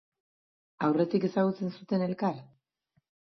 Aurretik ezagutzen zuten elkar?